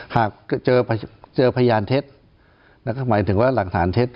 หากเจอพยานเท็จหมายถึงว่าหลักฐานเท็จ